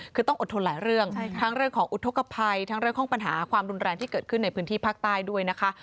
คือต้องอดทนหลายเรื่องทั้งเรื่องของอุทธกภัยทั้งเรื่องของปัญหาความรุนแรงที่เกิดขึ้นในพื้นที่ภาคใต้ด้วยนะคะ